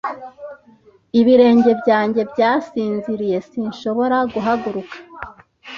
Ibirenge byanjye byasinziriye sinshobora guhaguruka.